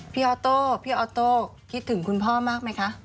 ออโต้พี่ออโต้คิดถึงคุณพ่อมากไหมคะ